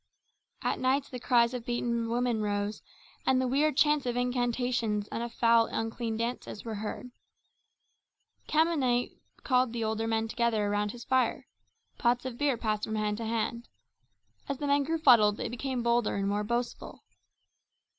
At night the cries of beaten women rose, and the weird chants of incantations and of foul unclean dances were heard. Khamane called the older men together around his fire. Pots of beer passed from hand to hand. As the men grew fuddled they became bolder and more boastful.